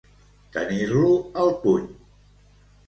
Tenir-lo al puny.